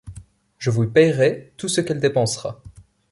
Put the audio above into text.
Je vous paierai tout ce qu’elle dépensera...